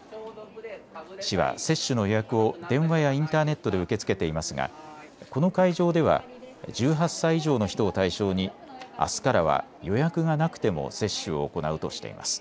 市は接種の予約を電話やインターネットで受け付けていますがこの会場では１８歳以上の人を対象に、あすからは予約がなくても接種を行うとしています。